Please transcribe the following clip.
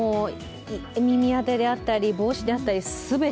耳当てだったり帽子であったり、全て。